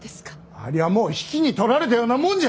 ありゃもう比企に取られたようなもんじゃ。